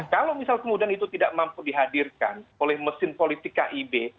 kalau misal kemudian itu tidak mampu dihadirkan oleh mesin politik kib